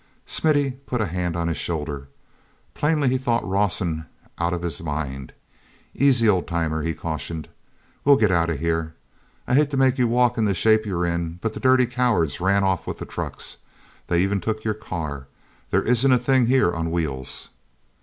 Smithy put a hand on his shoulder. Plainly he thought Rawson out of his mind. "Easy, old timer," he cautioned. "We'll get out of here. I hate to make you walk in the shape you're in, but the dirty cowards ran off with the trucks. They even took your car; there isn't a thing here on wheels."